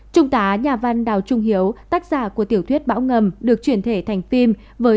trung tá nhà văn đào trung hiếu tác giả của tiểu thuyết bão ngầm được chuyển thể thành phim với